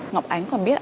ngọc ánh còn biết